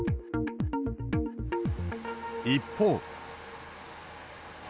一方。